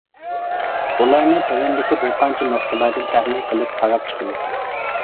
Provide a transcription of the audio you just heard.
بۇلارنى تۆۋەندىكى بىر قانچە نۇقتىلاردىن تەھلىل قىلىپ قاراپ چىقىمىز.